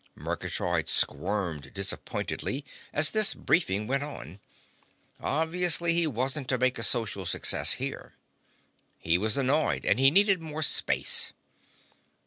Murgatroyd squirmed disappointedly as this briefing went on. Obviously, he wasn't to make a social success here. He was annoyed, and he needed more space.